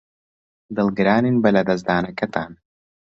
دڵگرانین بە لەدەستدانەکەتان.